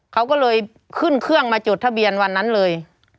เขาก็เลยขึ้นเครื่องมาจดทะเบียนวันนั้นเลย